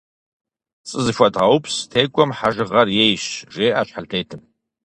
ПцӀы зэхуэдгъэупс, текӀуэм хьэжыгъэр ейщ, - жеӀэ щхьэлтетым.